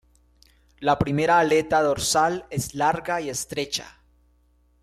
La primera aleta dorsal es larga y estrecha.